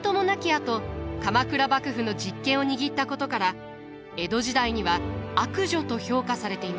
あと鎌倉幕府の実権を握ったことから江戸時代には悪女と評価されていました。